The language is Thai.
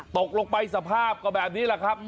ตกลงไปสภาพก็แบบนี้แหละครับ